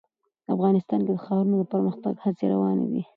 افغانستان کې د ښارونه د پرمختګ هڅې روانې دي.